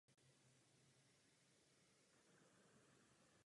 V České republice chová kudy malé Zoologická zahrada Dvůr Králové.